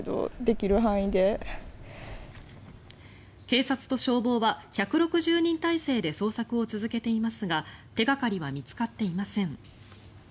警察と消防は、１６０人態勢で捜索を続けていますが手掛かりは見つかっていません。